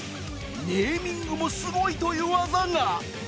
「ネーミングもスゴい」という技が